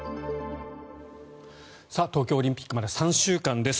東京オリンピックまで３週間です。